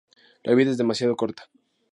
La vida es demasiado corta.